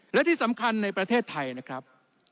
และที่สำคัญในประเทศไทยนะครับ